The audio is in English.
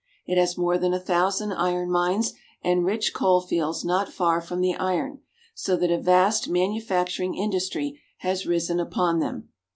It has more than a thousand iron mines, and rich coal fields not far from the iron, so that a vast manufacturing industry has risen upon them.